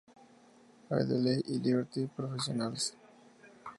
Adelaide y Liberty Professionals.